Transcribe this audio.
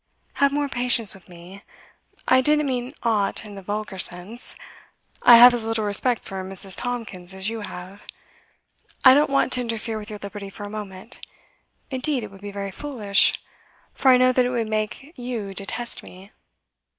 'Have more patience with me. I didn't mean ought in the vulgar sense I have as little respect for Mrs. Tomkins as you have. I don't want to interfere with your liberty for a moment; indeed it would be very foolish, for I know that it would make you detest me.